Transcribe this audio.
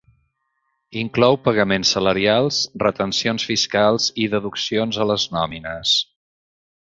Inclou pagaments salarials, retencions fiscals i deduccions a les nòmines.